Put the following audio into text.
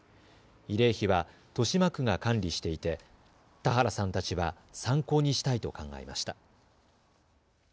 慰霊碑は豊島区が管理していて田原さんたちは参考にしたいと考えました。